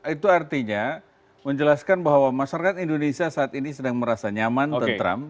itu artinya menjelaskan bahwa masyarakat indonesia saat ini sedang merasa nyaman tentram